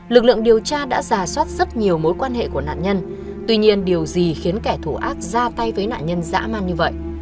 lực lượng điều tra đã giả soát rất nhiều mối quan hệ của nạn nhân tuy nhiên điều gì khiến kẻ thù ác ra tay với nạn nhân dã man như vậy